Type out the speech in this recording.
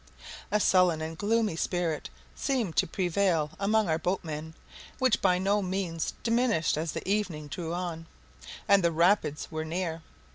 A sullen and gloomy spirit seemed to prevail among our boatmen, which by no means diminished as the evening drew on, and "the rapids were near."